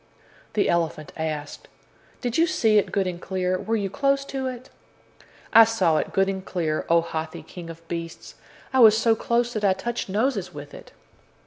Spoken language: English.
The elephant asked: "Did you see it good and clear? Were you close to it?" "I saw it good and clear, O Hathi, King of Beasts. I was so close that I touched noses with it."